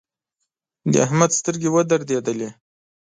د احمد سترګې ودرېدلې.